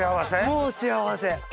もう幸せ。